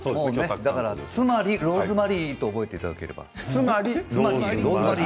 つまりローズマリーと覚えていただければ。